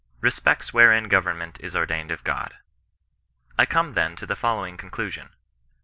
BESPECTS WHEREIN QOYERKMENT IS ORDAINED OF GOD. I come then to the following conclusion: 1.